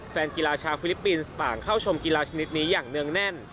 แฟนกีฬาชาวฟิลิปปินส์ต่างเข้าชมกีฬาชนิดนี้อย่างเนื่องแน่น